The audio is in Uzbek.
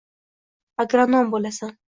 Agronom bo’lasan.